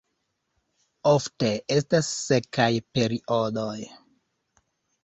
Ofte estas sekaj periodoj.